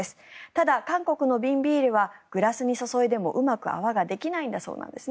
ただ、韓国の瓶ビールはグラスに注いでもうまく泡ができないんだそうです。